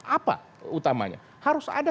apa utamanya harus ada